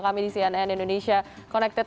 kami di cnn indonesia connected